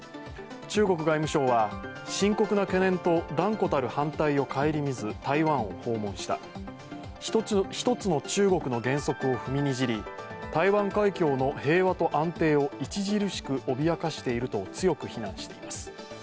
中国外務省は深刻な懸念と断固たる反対を顧みず台湾を訪問した、一つの中国の原則を踏みにじり台湾海峡の平和と安定を著しく脅かしていると強く非難しています。